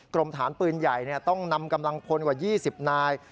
กรมฐานปืนใหญ่ต้องนำกำลังพลกว่า๒๐นาย